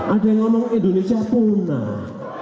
ada yang ngomong indonesia punah